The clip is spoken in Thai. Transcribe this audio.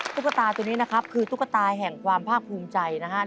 ตุ๊กตาตัวนี้นะครับคือตุ๊กตาแห่งความภาคภูมิใจนะครับ